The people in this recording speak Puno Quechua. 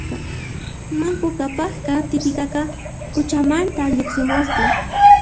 Manku Qhapaqqa Titiqaqa quchamantas lluqsimusqa